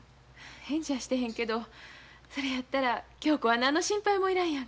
返事はしてへんけどそれやったら恭子は何の心配もいらんやんか。